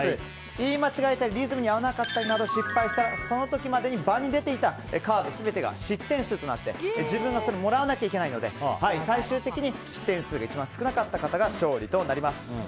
言い間違えたりリズムに合わなかったりなど失敗したその時までに場に出ていたカードが失点数となって自分がそれをもらわなきゃいけないので最終的に失点数が一番少なかった方が勝利となります。